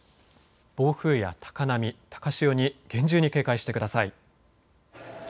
暴風や高波、高潮に厳重に警戒してください。